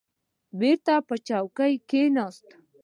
بېرته پر چوکۍ کښېناست.